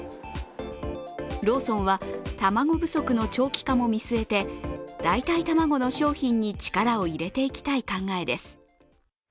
ローソンは、卵不足の長期化も見据えて、代替卵の商品に力を入れていきたい考えです。